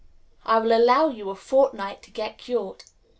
I will allow you a fortnight to get cured.